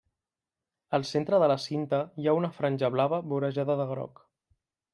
Al centre de la cinta hi ha una franja blava vorejada de groc.